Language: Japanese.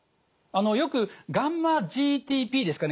よくγ−ＧＴＰですかね